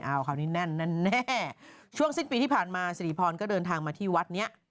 เอาคราวนี้แน่นแน่ช่วงสิ้นปีที่ผ่านมาสิริพรก็เดินทางมาที่วัดนี้